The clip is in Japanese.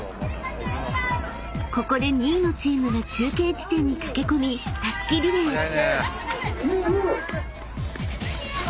［ここで２位のチームが中継地点に駆け込みたすきリレー］